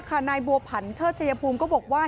นายบัวผันเชิดชัยภูมิก็บอกว่า